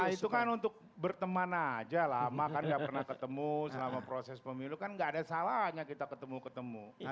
ya itu kan untuk berteman aja lama kan nggak pernah ketemu selama proses pemilu kan gak ada salahnya kita ketemu ketemu